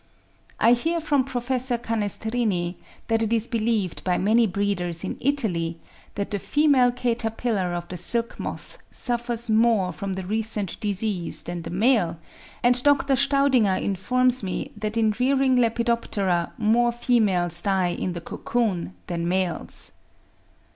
I hear from Professor Canestrini, that it is believed by many breeders in Italy, that the female caterpillar of the silk moth suffers more from the recent disease than the male; and Dr. Staudinger informs me that in rearing Lepidoptera more females die in the cocoon than males.